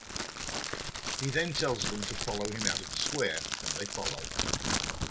He then tells them to follow him out of the square, and they follow.